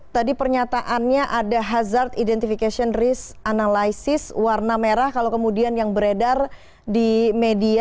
tadi pernyataannya ada hazard identification risk analysis warna merah kalau kemudian yang beredar di media